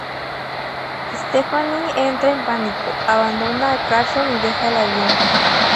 Stephanie entra en pánico, abandona a Carson y deja el avión.